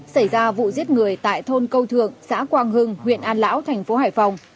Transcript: xảy ra vụ giết người tại thôn câu thượng xã quang hưng huyện an lão tp hải phòng